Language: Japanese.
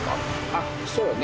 あっそうね